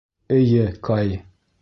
Эйе, Кай.